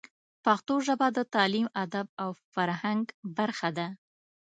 پښتو ژبه د تعلیم، ادب او فرهنګ برخه ده.